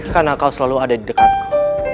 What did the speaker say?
karena kau selalu ada di dekatku